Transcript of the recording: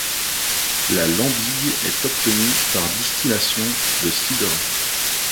La lambig est obtenue par distillation de cidre.